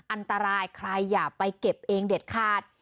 อันตรายใครอย่าไปเก็บเองเด็ดขาด